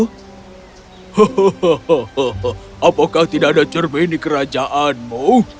hohoho apakah tidak ada cermin di kerajaanmu